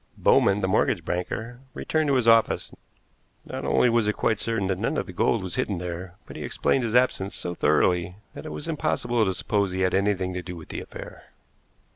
Bowman, the mortgage broker, returned to his office. Not only was it quite certain that none of the gold was hidden there, but he explained his absence so thoroughly that it was impossible to suppose he had anything to do with the affair.